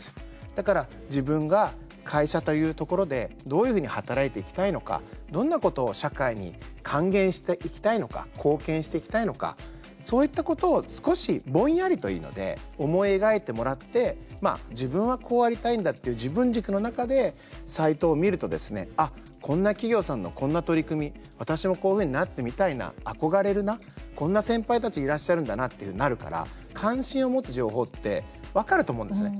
だから自分が会社というところでどういうふうに働いていきたいのかどんなことを社会に還元していきたいのか貢献していきたいのかそういったことを少しぼんやりとでいいので思い描いてもらって自分はこうありたいんだっていう自分軸の中でサイトを見るとこんな企業さんのこんな取り組み私もこういうふうになってみたいな、憧れるなこんな先輩たちいらっしゃるんだなってなるから関心を持つ情報って分かると思うんですね。